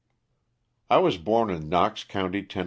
T WAS born in Knox county, Tenn.